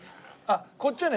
こっちはね